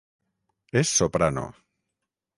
És soprano.